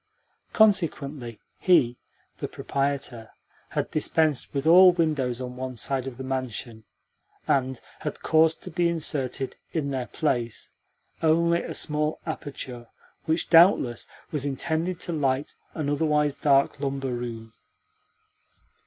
Consequently he (the proprietor) had dispensed with all windows on one side of the mansion, and had caused to be inserted, in their place, only a small aperture which, doubtless, was intended to light an otherwise dark lumber room.